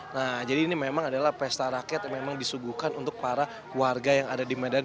nah jadi ini memang adalah pesta rakyat yang memang disuguhkan untuk para warga yang ada di medan